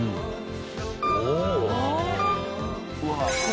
おお！